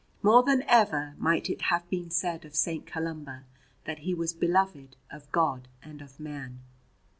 More than ever might it have been said of St. Columba that he was beloved of God and of man.